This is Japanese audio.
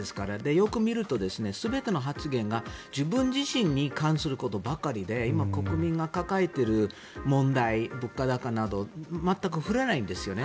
よく見ると、全ての発言が自分自身に関することばかりで今、国民が抱えている問題物価高など全く触れないんですよね。